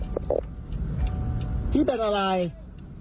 เหมือนเม่ายาบ้าครับ